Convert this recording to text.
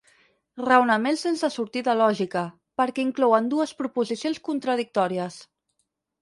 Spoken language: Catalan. Raonaments sense sortida lògica, perquè inclouen dues proposicions contradictòries.